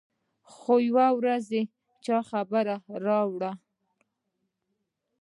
خو يوه ورځ چا خبر راوړ.